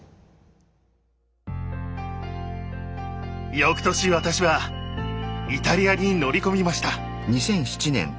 翌年私はイタリアに乗り込みました。